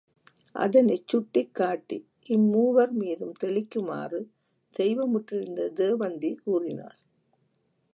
அதனைச் சுட்டிக் காட்டி இம்மூவர் மீதும் தெளிக்குமாறு தெய்வ முற்றிருந்த தேவந்தி கூறினாள்.